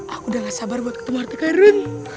aku sudah tidak sabar untuk menemukan harta karun